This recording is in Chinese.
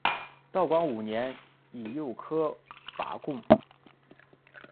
道光五年乙酉科拔贡。